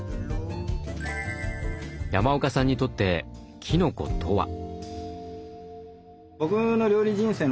山岡さんにとってきのことは？